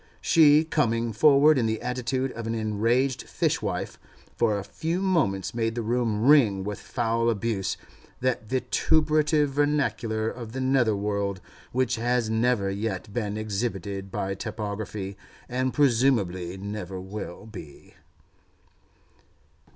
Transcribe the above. She, coming forward in the attitude of an enraged fishwife, for a few moments made the room ring with foul abuse, that vituperative vernacular of the nether world, which has never yet been exhibited by typography, and presumably never will be.